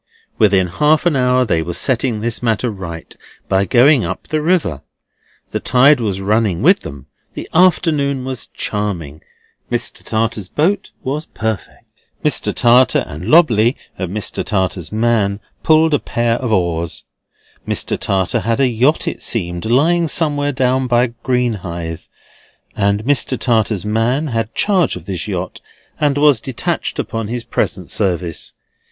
Within half an hour they were setting this matter right by going up the river. The tide was running with them, the afternoon was charming. Mr. Tartar's boat was perfect. Mr. Tartar and Lobley (Mr. Tartar's man) pulled a pair of oars. Mr. Tartar had a yacht, it seemed, lying somewhere down by Greenhithe; and Mr. Tartar's man had charge of this yacht, and was detached upon his present service.